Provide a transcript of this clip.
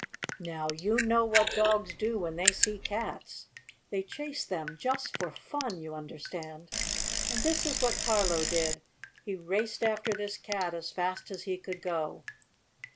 Now you know what dogs do when they see cats. They chase them, just for fun, you understand. And this is what Carlo did he raced after this cat as fast as he could go.